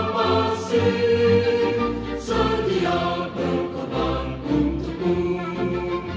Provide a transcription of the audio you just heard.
hai ahakulah pendukungmu